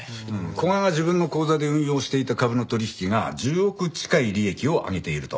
古賀が自分の口座で運用していた株の取引が１０億近い利益を上げていると。